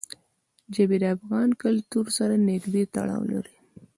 ژبې د افغان کلتور سره نږدې تړاو لري.